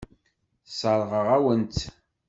Sseṛɣeɣ-awen-tt.